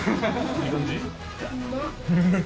いい感じ？